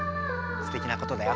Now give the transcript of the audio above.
すてきなことだよ。